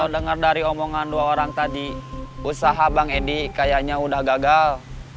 dengar dari omongan dua orang tadi usaha bang edi kayaknya udah gagal